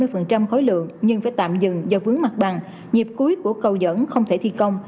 năm mươi khối lượng nhưng phải tạm dừng do vướng mặt bằng nhịp cuối của cầu dẫn không thể thi công